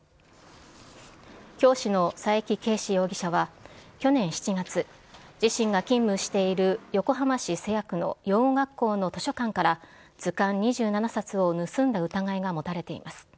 教師の佐伯啓史容疑者は去年７月、自身が勤務している横浜市瀬谷区の養護学校の図書館から図鑑２７冊を盗んだ疑いが持たれています。